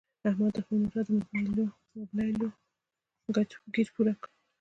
احمد د خپل موټر د مبلایلو ګېچ پوره کړ.